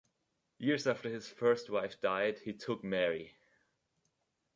Years after his first wife died he took Mary.